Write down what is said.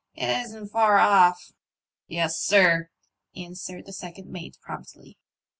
It isn't far off." " Yes, sir," answered the second mate, promptly.